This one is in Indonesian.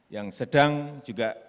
yang sedang juga